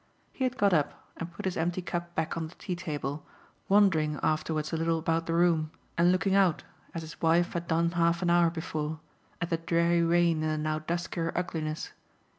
He had got up and put his empty cup back on the tea table, wandering afterwards a little about the room and looking out, as his wife had done half an hour before, at the dreary rain and the now duskier ugliness.